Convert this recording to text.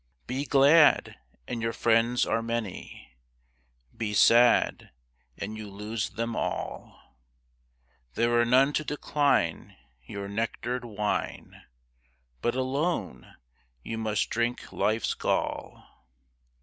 Be glad, and your friends are many; Be sad, and you lose them all; There are none to decline your nectar'd wine, But alone you must drink life's gall.